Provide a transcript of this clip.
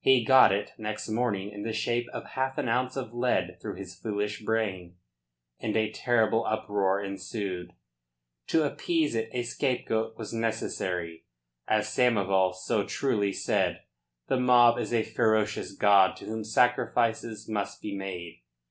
He got it next morning in the shape of half an ounce of lead through his foolish brain, and a terrible uproar ensued. To appease it a scapegoat was necessary. As Samoval so truly said, the mob is a ferocious god to whom sacrifices must be made.